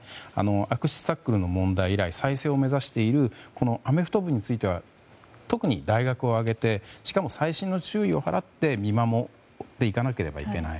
悪質タックルの問題以来再生を目指しているアメフト部については特に大学を挙げてしかも細心の注意を払って見守っていかなければいけない。